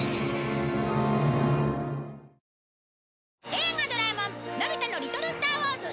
『映画ドラえもんのび太の宇宙小戦争２０２１』